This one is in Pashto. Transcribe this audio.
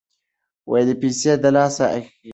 پیسې د لاس خیرې دي.